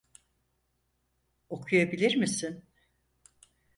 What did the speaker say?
Okuyabilir misin?